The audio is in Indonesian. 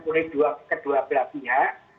oleh kedua belah pihak